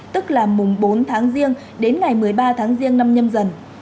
tức là mùng bốn tháng riêng đến ngày một mươi ba tháng riêng năm nhâm dần